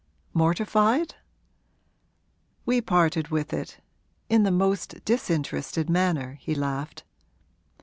'Mortified?' 'We parted with it in the most disinterested manner,' he laughed.